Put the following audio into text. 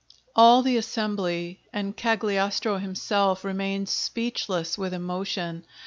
All the assembly, and Cagliostro himself, remained speechless with emotion....